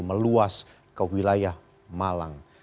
meluas ke wilayah malang